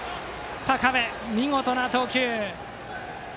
坂部、見事な投球！